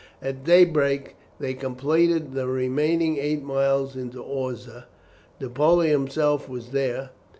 At daybreak they completed the remaining eight miles into Orsza. Napoleon himself was there.